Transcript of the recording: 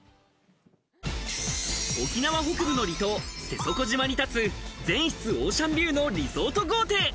沖縄北部の離島・瀬底島に建つ全室オーシャンビューのリゾート豪邸。